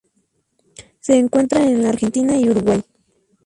Se encuentra en la Argentina y Uruguay.